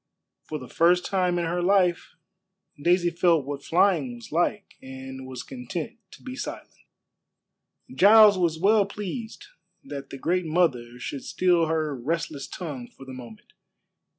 For the first time in her life Daisy felt what flying was like, and was content to be silent. Giles was well pleased that the Great Mother should still her restless tongue for the moment.